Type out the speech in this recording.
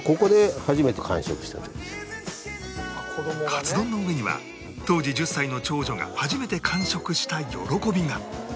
かつ丼の上には当時１０歳の長女が初めて完食した喜びが